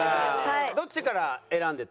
どっちから選んでいった？